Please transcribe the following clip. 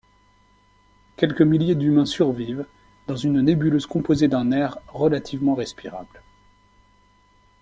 Quelques milliers d'humains survivent, dans une nébuleuse composée d'un air relativement respirable.